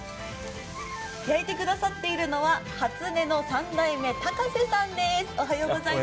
焼いてくださっているのは初音の三代目、高瀬さんです。